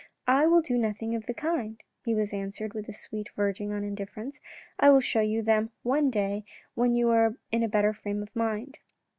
" I will do nothing of the kind," he was answered with a sweetness verging on indifference. "I will show you them one day when you are in a better frame of mind."